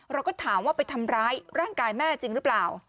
เราก็ถามว่าไปทำร้ายร่างกายแม่จริงหรือเปล่า